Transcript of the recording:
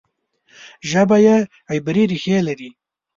ژبه یې عبري ریښې لري.